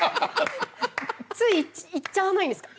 ついいっちゃわないんですか？